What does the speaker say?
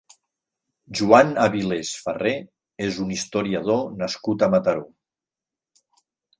Juan Avilés Farré és un historiador nascut a Mataró.